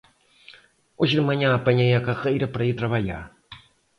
Hoje de manhã apanhei a carreira para ir trabalhar.